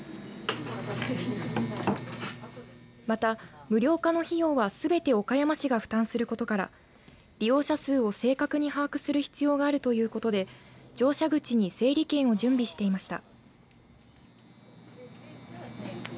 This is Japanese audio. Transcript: また、無料化の費用はすべて岡山市が負担することから利用者数を正確に把握する必要があるということで乗車口に整理券を準備していました。